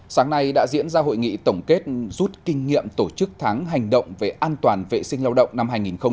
sáng nay đã diễn ra hội nghị tổng kết rút kinh nghiệm tổ chức tháng hành động về an toàn vệ sinh lao động năm hai nghìn một mươi chín